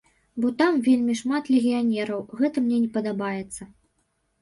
Бо там вельмі шмат легіянераў, гэта мне не падабаецца.